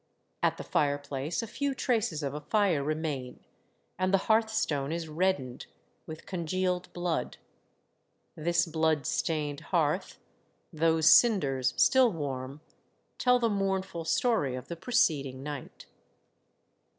At the fireplace, a few traces of a fire remain, and the hearthstone is reddened with con gealed blood. This blood stained hearth, those cinders still warm, tell the mournful story of the preceding night.